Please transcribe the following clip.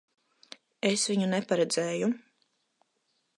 Es viņu neparedzēju.